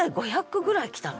句ぐらい来たの。